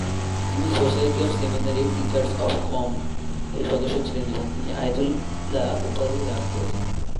তিনি society of seminary teachers of কোম-এর সদস্য ছিলেন এবং তিনি আয়াতুল্লাহ উপাধি লাভ করেছিলেন।